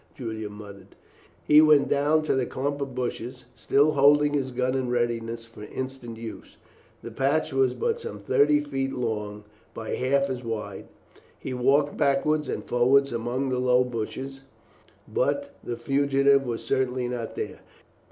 Julian muttered. He went down to the clump of bushes, still holding his gun in readiness for instant use. The patch was but some thirty feet long by half as wide. He walked backwards and forwards among the low bushes, but the fugitive was certainly not there.